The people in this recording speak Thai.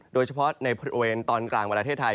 โดยเฉพาะในบริเวณตอนกลางประเทศไทย